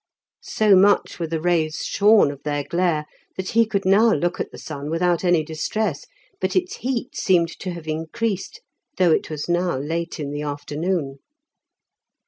So much were the rays shorn of their glare, that he could look at the sun without any distress, but its heat seemed to have increased, though it was now late in the afternoon.